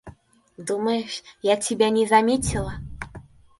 Думаешь я тебя не заметила?